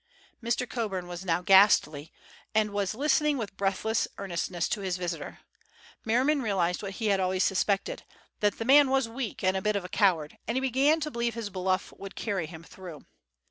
Mr. Coburn was now ghastly, and was listening with breathless earnestness to his visitor. Merriman realized what he had always suspected, that the man was weak and a bit of a coward, and he began to believe his bluff would carry him through.